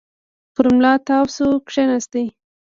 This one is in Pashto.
پر ملا تاو شو، کېناست.